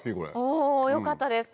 およかったです。